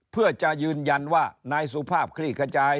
เพื่อจะยืนยันว่านายสุภาพคลี่ขจาย